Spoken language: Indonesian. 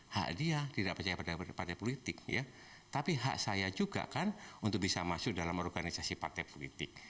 hak dia tidak percaya pada partai politik ya tapi hak saya juga kan untuk bisa masuk dalam organisasi partai politik